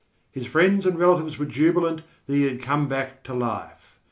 His friends and relatives were jubilant that he had come back to life.